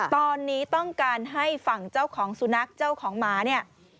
ตอนนี้ต้องการให้ฝั่งเจ้าของสุนัขเจ้าของหมาเนี่ย